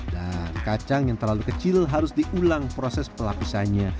dan kacang yang terlalu kecil harus diulang proses pelapisannya